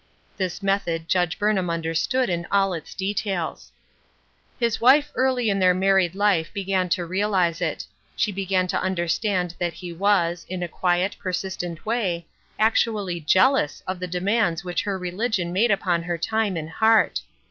This method Judge Burnham understood in all its details. His wife early in their married life began to realize it. She began to understand that he was, in a quiet, persistent way, actuaUy jealous of the demands which her religion made upon her time and heart.